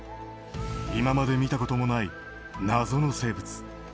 今まで見たこともない謎の生物。